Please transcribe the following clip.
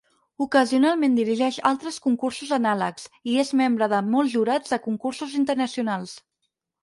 Ocasionalment dirigeix altres cursos anàlegs, i és membre de molts jurats de concursos internacionals.